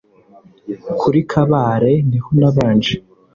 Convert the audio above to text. kuri kabare ni ho nabanje